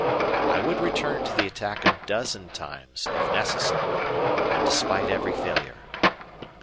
I would return to the attack a dozen times if necessary, and despite every failure.